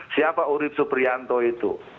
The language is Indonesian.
siapa urib suprianto itu